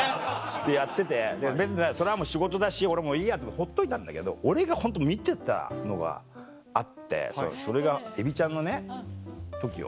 でやってて別にそれはもう仕事だし俺もいいやってほっといたんだけど俺がホント見てたのがあってそれがエビちゃんのね時よ。